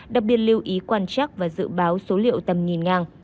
đặc biệt lưu ý quan trắc và dự báo số liệu tầm nhìn ngang